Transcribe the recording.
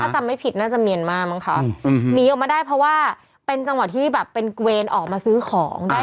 ถ้าจำไม่ผิดน่าจะเมียนมามั้งคะหนีออกมาได้เพราะว่าเป็นจังหวะที่แบบเป็นเวรออกมาซื้อของได้